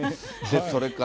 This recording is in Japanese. それから。